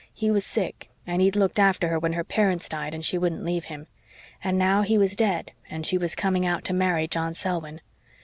He was sick, and he'd looked after her when her parents died and she wouldn't leave him. And now he was dead and she was coming out to marry John Selwyn.